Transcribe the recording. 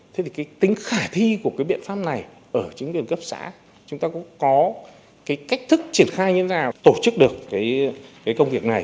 thì tính khả thi của biện pháp này ở chính quyền cấp xã chúng ta có cách thức triển khai như thế nào tổ chức được công việc này